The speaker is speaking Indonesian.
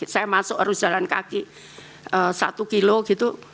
saya masuk harus jalan kaki satu kilo gitu